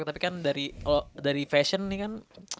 tapi kan dari fashion nih kan